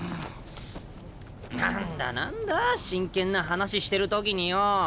何だ何だ真剣な話してる時によ。